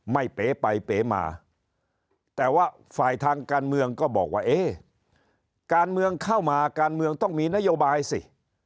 เป๋ไปเป๋มาแต่ว่าฝ่ายทางการเมืองก็บอกว่าเอ๊ะการเมืองเข้ามาการเมืองต้องมีนโยบายสิ